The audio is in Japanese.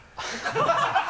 ハハハ